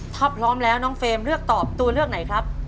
ถ้าพร้อมแล้วน้องเฟรมเลือกตอบตัวเลือกไหนครับ